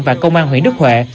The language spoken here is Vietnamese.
và công an huyện đức huệ